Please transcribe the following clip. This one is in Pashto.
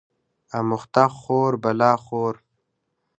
اموخته خور بلا خور